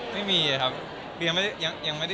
ไม่มีครับยังไม่ได้คุยกันจริงเลยครับ